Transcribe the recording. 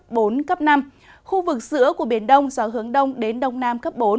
trên biển cấp năm khu vực giữa của biển đông giáo hướng đông đến đông nam cấp bốn